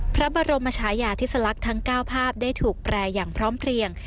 พระบรมชายาธิสลักษณ์ทั้ง๙ภาพได้ถูกแปลอย่างพร้อมเพลียง